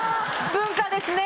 文化ですね！